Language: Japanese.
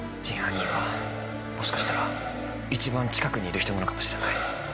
真犯人はもしかしたら一番近くにいる人なのかもしれない。